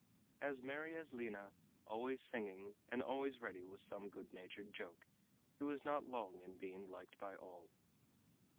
As merry as Lina, always singing, and always ready with some good natured joke, he was not long in being liked by all.